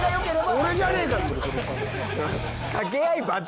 俺じゃねえか！